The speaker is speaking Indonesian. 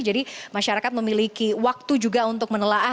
jadi masyarakat memiliki waktu juga untuk menelaah dan juga memiliki waktu untuk menelah